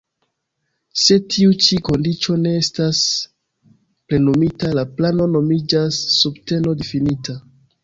Se tiu ĉi kondiĉo ne estas plenumita, la plano nomiĝas "subteno-difinita".